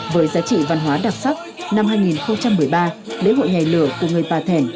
với giá trị văn hóa đặc sắc năm hai nghìn một mươi ba lễ hội nhảy lửa của người pà thèn